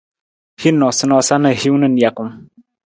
Hin noosanoosa na hiwung na nijakung.